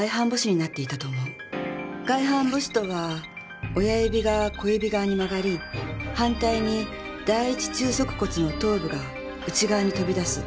外反母趾とは親指が小指側に曲がり反対に第一中足骨の頭部が内側に飛び出す。